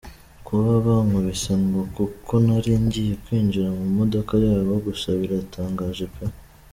Kuba bankubise ngo kuko nari ngiye kwinjira mu modoka yabo gusa biratangaje pe!”.